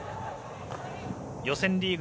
予選リーグ